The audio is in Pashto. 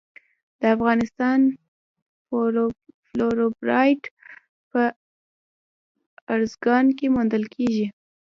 د افغانستان فلورایټ په ارزګان کې موندل کیږي.